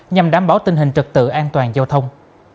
nhằm đảm bảo tình hình trật tự an toàn giao thông